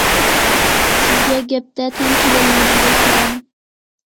سىزگە گەپتە تەڭ كېلەلمىگۈدەكمەن.